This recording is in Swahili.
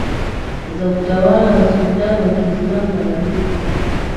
za utawala wa sultani wa Kiislamu Magharibi